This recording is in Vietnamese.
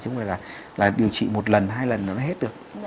chứ không phải là điều trị một lần hai lần nó hết được